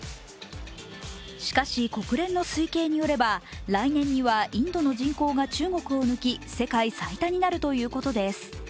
しかし、国連の推計によれば来年にはインドの人口が中国を抜き世界最多になるということです。